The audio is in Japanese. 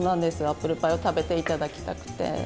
アップルパイを食べて頂きたくて。